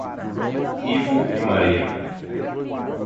Ivo e Maria